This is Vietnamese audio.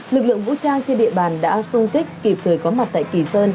lực lượng vũ trang trên địa bàn đã sung tích kịp thời có mặt tại kỳ